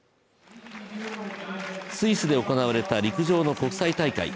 スイスで行われた陸上の国際大会。